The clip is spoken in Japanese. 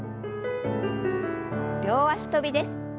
両脚跳びです。